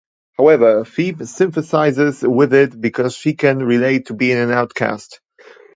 However Phoebe sympathizes with it because she can relate to being an outcast.